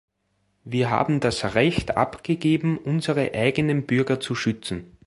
Wir haben das Recht abgegeben, unsere eigenen Bürger zu schützen.